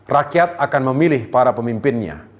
rakyat akan memilih para pemimpinnya